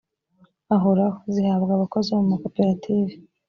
ahoraho zihabwa abakozi bo mumakoperative